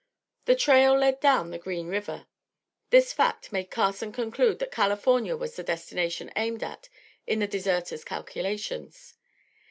The trail led down the Green River. This fact made Carson conclude that California was the destination aimed at in the deserter's calculations.